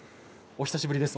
お久しぶりです。